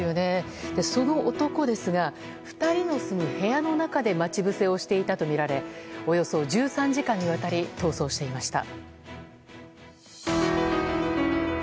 その男ですが２人の住む部屋の中で待ち伏せをしていたとみられおよそ１３時間にわたり逃走していました。